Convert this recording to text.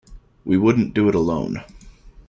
We wouldn't do it alone.